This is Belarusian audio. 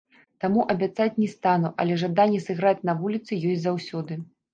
Таму абяцаць не стану, але жаданне сыграць на вуліцы ёсць заўсёды.